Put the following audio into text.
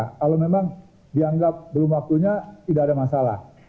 kalau memang dianggap belum waktunya tidak ada masalah